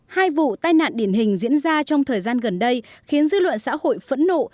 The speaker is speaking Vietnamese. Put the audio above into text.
hai vụ tai nạn điển hình diễn ra trong thời gian gần đây khiến dư luận xã hội phẫn nộ